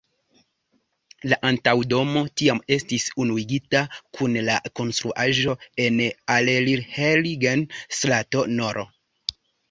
La antaŭa domo tiam estis unuigita kun la konstruaĵo en Allerheiligen-strato nr.